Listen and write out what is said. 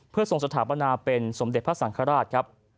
เพื่อทรงสถาปนาเป็นสมเด็จพระสังฆราชครับ